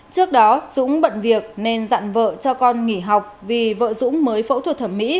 trước đó dũng bận việc nên dặn vợ cho con nghỉ học vì vợ dũng mới phẫu thuật thẩm mỹ